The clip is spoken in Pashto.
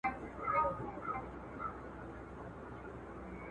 هغه وويل چي د کتابتون کتابونه لوستل کول مهم دي؟